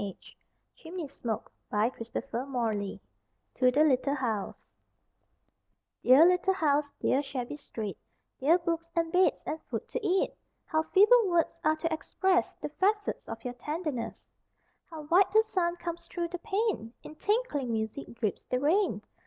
_ 243 Chimneysmoke [Illustration: Girl by Gate] =Chimneysmoke= TO THE LITTLE HOUSE Dear little house, dear shabby street, Dear books and beds and food to eat! How feeble words are to express The facets of your tenderness. How white the sun comes through the pane! In tinkling music drips the rain!